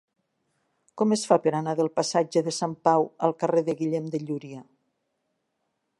Com es fa per anar del passatge de Sant Pau al carrer de Guillem de Llúria?